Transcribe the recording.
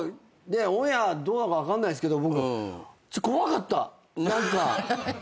オンエアどうなるか分かんないっすけど怖かった何か。